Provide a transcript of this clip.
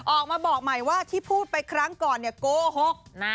ออกมาบอกใหม่ว่าที่พูดไปครั้งก่อนเนี่ยโกหก